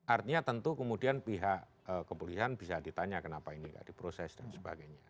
artinya tentu kemudian pihak kepolisian bisa ditanya kenapa ini tidak diproses dan sebagainya